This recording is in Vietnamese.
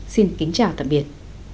xin kính chào tạm biệt